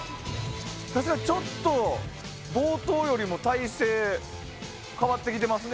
確かにちょっと冒頭よりも体勢が変わってますね。